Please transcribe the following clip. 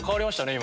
今。